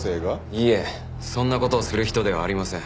いえそんな事をする人ではありません。